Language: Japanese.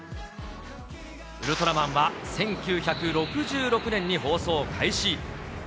ウルトラマンは１９６６年に放送開始。